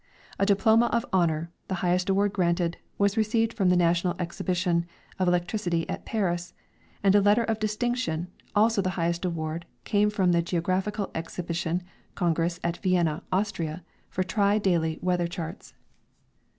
A diploma of honor, the highest award granted, was received from the National exhibition of electricity at Paris ; and a letter of distinction, also the highest award, came from the Geographical exhibition congress at Vienna, Austria, for tri daily weather charts.